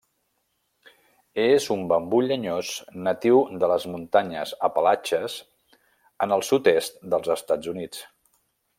És un bambú llenyós natiu de les muntanyes Apalatxes en el sud-est dels Estats Units.